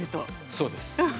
そうです。